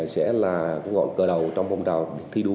sẽ là cơ đầu trong phong trào thi đua